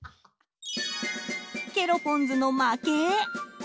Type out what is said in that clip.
ケロポンズの負け。